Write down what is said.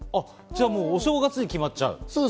お正月に決まっちゃう。